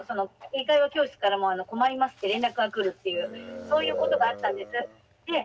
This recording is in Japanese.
英会話教室からも「困ります」って連絡が来るっていうそういうことがあったんです。